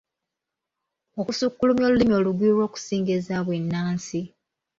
Okusukulumya olulimi olugwira okusinga ezaabwe ennaansi.